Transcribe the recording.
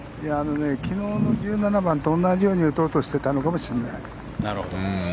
昨日の１７番と同じように打とうとしてたのかもしれない。